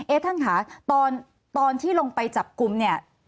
ท่านค่ะตอนที่ลงไปจับกลุ่มเนี่ย